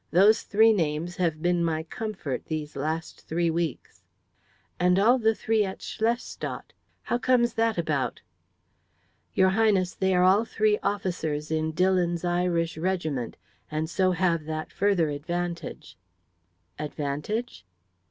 Those three names have been my comfort these last three weeks." "And all the three at Schlestadt. How comes that about?" "Your Highness, they are all three officers in Dillon's Irish regiment, and so have that further advantage." "Advantage?"